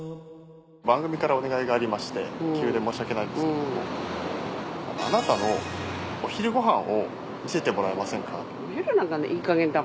番組からお願いがありまして急で申し訳ないんですけどもあなたのお昼ご飯を見せてもらえませんか。